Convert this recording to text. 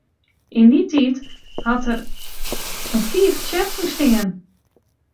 Yn dy tiid hat er yn fiif tsjerken stien.